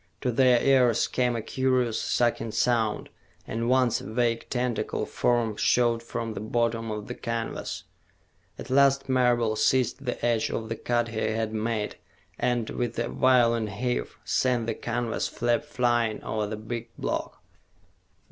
To their ears came a curious, sucking sound, and once a vague tentacle form showed from the bottom of the canvas. At last Marable seized the edge of the cut he had made and, with a violent heave, sent the canvas flap flying over the big block.